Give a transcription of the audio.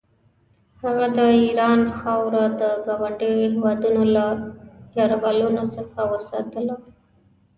هغه د ایران خاوره د ګاونډیو هېوادونو له یرغلونو څخه وساتله.